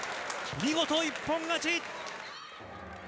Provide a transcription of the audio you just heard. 見事、一本勝ち！